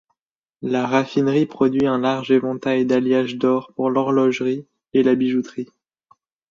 La raffinerie produit un large éventail d'alliages d'or pour l'horlogerie et la bijouterie.